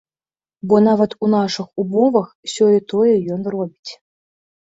Бо нават у нашых умовах сёе-тое ён робіць.